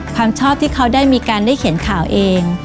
ความชอบที่เขาได้มีการได้เขียนข่าวเอง